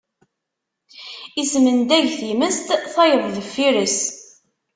Ismendag times, tayeḍ deffir-s.